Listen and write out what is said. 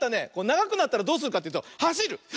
ながくなったらどうするかっていうとはしる！